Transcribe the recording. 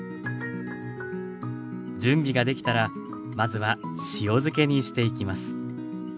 準備ができたらまずは塩漬けにしていきます。